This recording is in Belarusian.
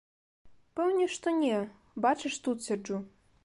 Пэўне, што не, бачыш, тут сяджу.